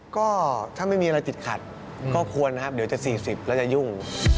ก็ถ้าไม่มีอะไรติดขัดก็ควรนะครับเดี๋ยวจะ๔๐แล้วจะยุ่ง